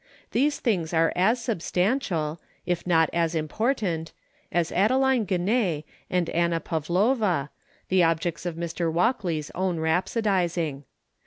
These things are as substantial, if not as important, as Adeline Genée and Anna Pavlova, the objects of Mr. Walkley's own rhapsodising.